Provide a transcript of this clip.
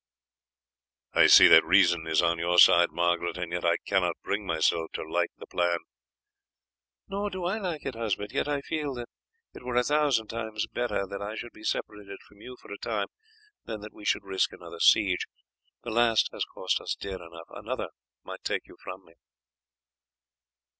"I see that reason is on your side, Margaret, and yet I cannot bring myself to like the plan." "Nor do I like it, husband; yet I feel that it were a thousand times better that I should be separated from you for a time than that we should risk another siege. The last has cost us dear enough, another might take you from me."